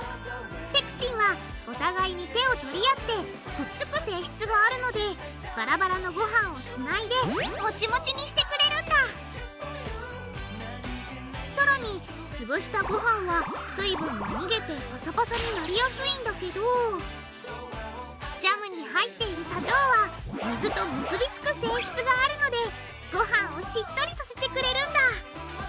ペクチンはお互いに手を取り合ってくっつく性質があるのでバラバラのごはんをつないでモチモチにしてくれるんださらにつぶしたごはんは水分が逃げてパサパサになりやすいんだけどジャムに入っている砂糖は水と結び付く性質があるのでごはんをしっとりさせてくれるんだ！